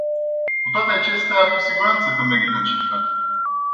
Cu toate acestea, cu siguranță că merită încercat.